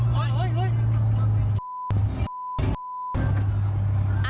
เฮ้ยเฮ้ย